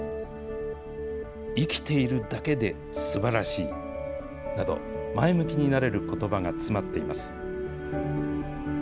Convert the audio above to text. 生きているだけですばらしいなど、前向きになれることばが詰まっています。